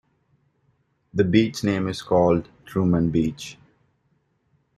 The beach name is called Truman Beach.